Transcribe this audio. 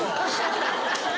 ハハハハ！